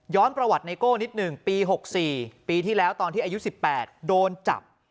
ประวัติไนโก้นิดหนึ่งปี๖๔ปีที่แล้วตอนที่อายุ๑๘โดนจับ